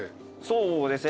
そうですね